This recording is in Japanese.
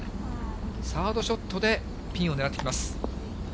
サードショットでピンを狙ってきます。